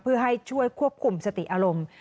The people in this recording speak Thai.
เพื่อให้ช่วยควบคุมสติอารมณ์